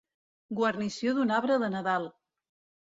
Guarnició d'un arbre de Nadal.